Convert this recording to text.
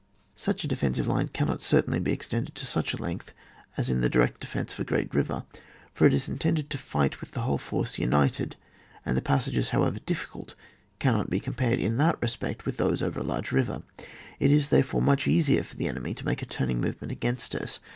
Such a defensive line cannot certainly be extended to such a length as in the direct defence of a great river, for it is intended to fight with the whole force united, and the passages, however difficult, cannot be compared in that respect with those over a large river ; it is, ^erefore, much easier for the enemy to make a turning movement against us.